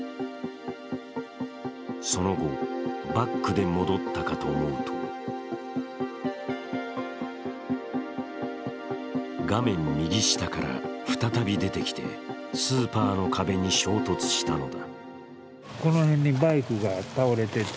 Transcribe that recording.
その後、バックで戻ったかと思うと画面右下から再び出てきて、スーパーの壁に衝突したのだ。